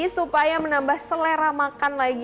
supaya menambah selera makan lagi